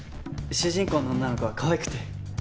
主人公の女の子がかわいくて。